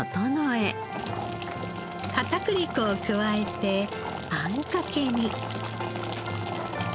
片栗粉を加えてあんかけに。